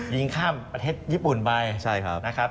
ยิงข้ามประเทศญี่ปุ่นไปนะครับ